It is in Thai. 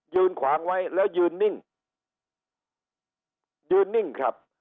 ขวางไว้แล้วยืนนิ่งยืนนิ่งครับ